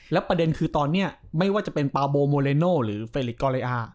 แล้วประเด็นคือตอนนี้ไม่ว่าจะเป็นปาโบโมเลโนหรือเฟลิกอเรอา